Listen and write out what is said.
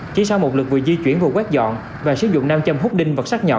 chỉ sau một lượt vừa di chuyển vừa quét dọn và sử dụng nam châm hút đinh vật sát nhọn